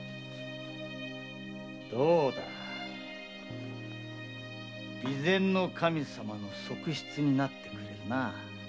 どうだ備前守様の側室になってくれるな。